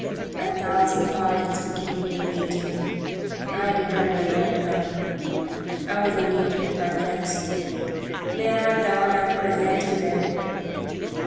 "A thousand pardons for keeping you waiting. I did not know you had come. I was engaged with my friends. May I have the honour of presenting them?